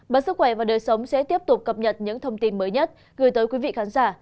bản sức khỏe và đời sống sẽ tiếp tục cập nhật những thông tin mới nhất gửi tới quý vị khán giả